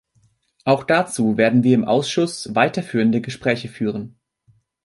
Auch dazu werden wir im Ausschuss weiterführende Gespräche führen.